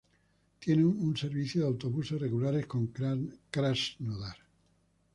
Tiene un servicio de autobuses regulares con Krasnodar.